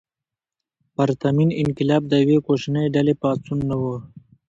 پرتمین انقلاب د یوې کوچنۍ ډلې پاڅون نه و.